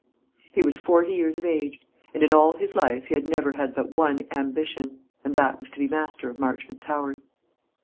He was forty years of age; and in all his life he had never had but one ambition, and that was to be master of Marchmont Towers.